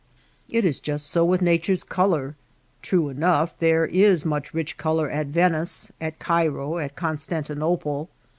It is just so with Nature^s color. True enough, there is much rich color at Venice, at Cairo, at Constantinople.